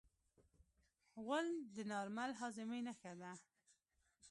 غول د نارمل هاضمې نښه ده.